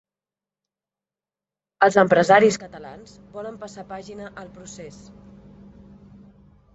Els empresaris catalans volen passar pàgina al "procés".